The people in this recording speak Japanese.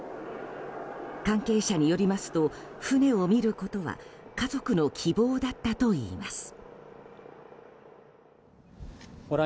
関係者によりますと船を見ることは家族の希望だったといいます。